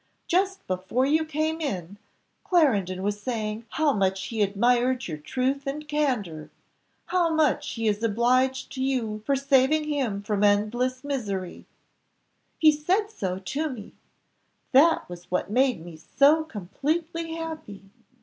Just before you came in, Clarendon was saying how much he admired your truth and candour, how much he is obliged to you for saving him from endless misery; he said so to me, that was what made me so completely happy.